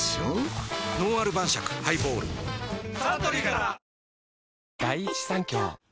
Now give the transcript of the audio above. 「のんある晩酌ハイボール」サントリーから！